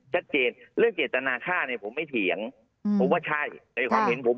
ชัดเจนเรื่องเจตนาฆ่าเนี่ยผมไม่เถียงผมว่าใช่ในความเห็นผม